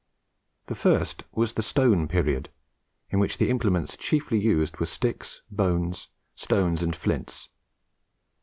The first was the Stone period, in which the implements chiefly used were sticks, bones, stones, and flints.